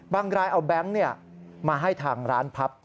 รายเอาแบงค์มาให้ทางร้านพับ